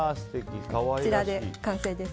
こちらで完成です。